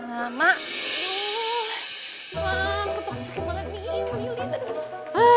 aduh mampu sakit banget nih